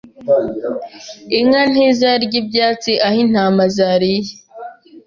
Inka ntizarya ibyatsi aho intama zariye.